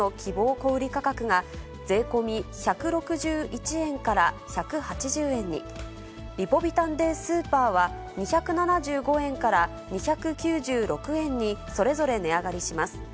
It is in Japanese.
小売り価格が税込み１６１円から１８０円に、リポビタンＤスーパーは２７５円から２９６円に、それぞれ値上がりします。